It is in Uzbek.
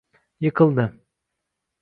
Yiqildi.